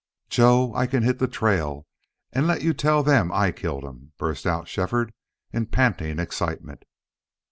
"Joe, I can hit the trail and let you tell them I killed him," burst out Shefford in panting excitement.